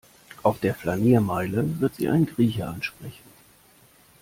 Auf der Flaniermeile wird Sie ein Grieche ansprechen.